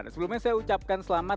sebelumnya saya ucapkan selamat